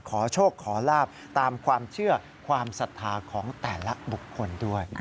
ขอโชคขอลาบตามความเชื่อความศรัทธาของแต่ละบุคคลด้วย